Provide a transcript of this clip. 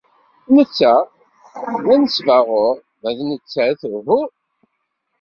Netta d anesbaɣur, ma d nettat uhu.